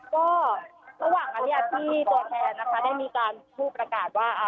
ก็ระหว่างนั้นที่ตัวแทนได้มีการพูดประกาศว่า